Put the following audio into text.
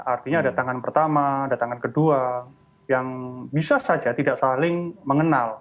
artinya ada tangan pertama ada tangan kedua yang bisa saja tidak saling mengenal